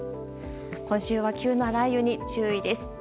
今週は急な雷雨に注意です。